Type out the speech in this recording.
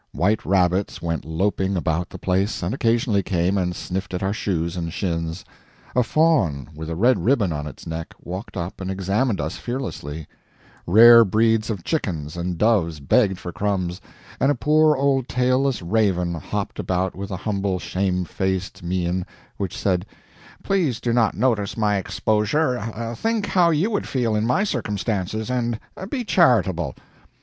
White rabbits went loping about the place, and occasionally came and sniffed at our shoes and shins; a fawn, with a red ribbon on its neck, walked up and examined us fearlessly; rare breeds of chickens and doves begged for crumbs, and a poor old tailless raven hopped about with a humble, shamefaced mein which said, "Please do not notice my exposure think how you would feel in my circumstances, and be charitable."